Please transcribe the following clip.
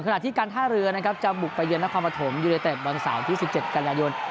ขณะที่การท่าเรือจะบุกไปเยือนละความประถมยูเลเต็มบรรสาวที่๑๗กันยายน